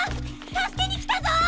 助けに来たぞー！